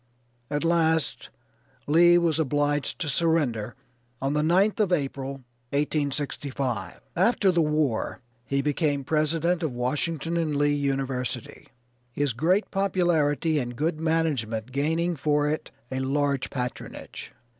At last Lee was obliged to surrender on the 9th of April, 1865. After the war he became president of Washington and Lee University, his great popularity and good management gaining for it a large patronage.